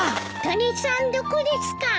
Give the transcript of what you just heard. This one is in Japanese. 鳥さんどこですか？